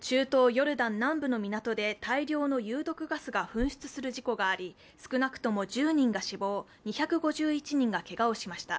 ヨルダン南部の港で大量の有毒ガスが噴出する事故があり、少なくとも１０人が死亡、２５１人がけがをしました。